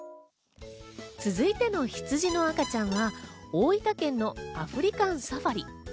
続いてのヒツジの赤ちゃんは、大分県のアフリカンサファリ。